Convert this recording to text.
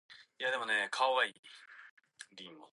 はやくしれ。